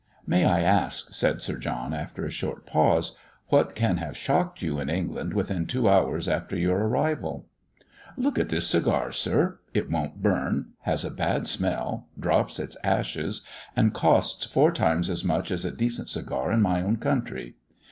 "May I ask," said Sir John, after a short pause, "what can have shocked you in England within two hours after your arrival?" "Look at this cigar, sir! It won't burn, has a bad smell, drops its ashes and costs four times as much as a decent cigar in my own country.